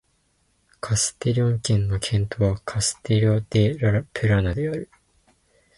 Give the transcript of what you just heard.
カステリョン県の県都はカステリョン・デ・ラ・プラナである